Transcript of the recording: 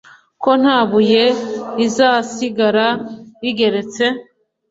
ko nta buye rizasigara rigeretse